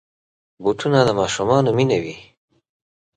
بوټونه د ماشومانو مینه وي.